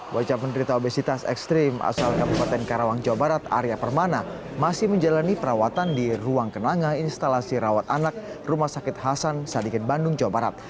bocah penderita obesitas ekstrim asal kabupaten karawang jawa barat arya permana masih menjalani perawatan di ruang kenanga instalasi rawat anak rumah sakit hasan sadikin bandung jawa barat